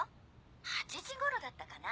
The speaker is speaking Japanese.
８時ごろだったかな。